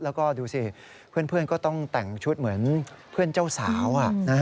แล้วก็ดูสิเพื่อนก็ต้องแต่งชุดเหมือนเพื่อนเจ้าสาว